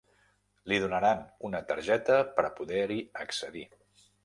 Li donaran una targeta per a poder-hi accedir.